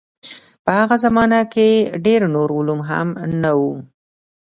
په هغه زمانه کې ډېر نور علوم هم نه وو.